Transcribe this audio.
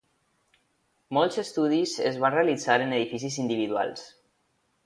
Molts estudis es van realitzar en edificis individuals.